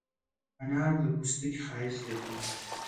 انار د پوستکي ښایست زیاتوي.